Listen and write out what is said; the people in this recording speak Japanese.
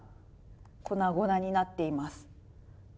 粉々になっています。